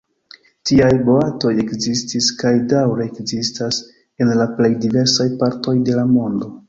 Tiaj boatoj ekzistis kaj daŭre ekzistas en la plej diversaj partoj de la mondo.